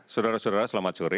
saudara saudara selamat sore